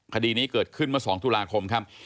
คดีนี้เกิดขึ้นเมื่อ๒ตุลาคมครับ